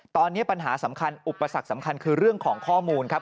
ตอนนี้ปัญหาสำคัญอุปสรรคสำคัญคือเรื่องของข้อมูลครับ